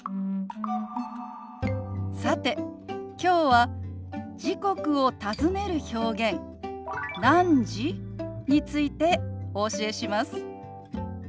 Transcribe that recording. さてきょうは時刻を尋ねる表現「何時？」についてお教えします。